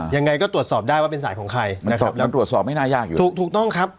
ยังไงก็ตรวจสอบได้ว่าเป็นสายของใครนะครับยังตรวจสอบไม่น่ายากอยู่ถูกถูกต้องครับ